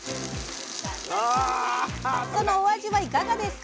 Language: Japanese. そのお味はいかがですか？